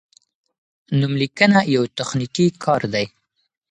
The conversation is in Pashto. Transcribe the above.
نوملیکنه یو تخنیکي کار دی.